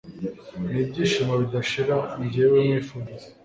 n'ibyishimo bidashira njyewe nkwifuriza